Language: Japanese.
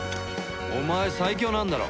お前最強なんだろ？